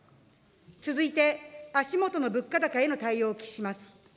続いて、足下の物価高への対応をお聞きします。